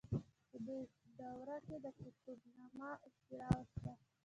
په دې دوره کې د قطب نماء اختراع وشوه.